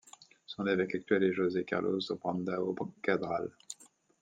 Son évêque actuel est José Carlos Brandão Cabral.